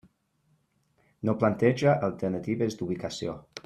No planteja alternatives d'ubicació.